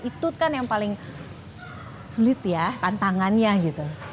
itu kan yang paling sulit ya tantangannya gitu